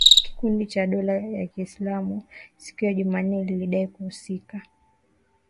kikundi cha dola ya Kiislamu siku ya Jumanne lilidai kuhusika